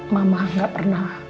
mama gak pernah